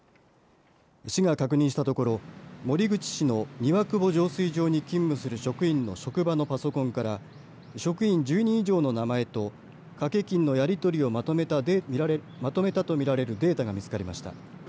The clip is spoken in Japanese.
市が確認したところ守口市の庭窪浄水場に勤務する職員の職場のパソコンから職員１０人以上の名前と掛け金のやりとりをまとめたとみられるデータが見つかりました。